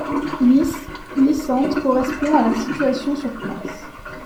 Lisse, glissante correspond à la situation sur place.